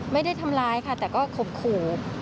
ไม่ได้ทำร้ายค่ะแต่ก็ข่มขู่